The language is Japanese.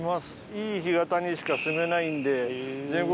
いい干潟にしかすめないんで。